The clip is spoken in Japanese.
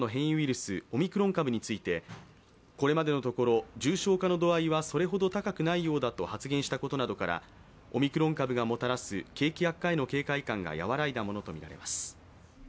スオミクロン株についてこれまでのところ重症化の度合いはそれほど高くないようだと発言したことからオミクロン株がもたらす景気かっかへの警戒感が和らいだものとみられます。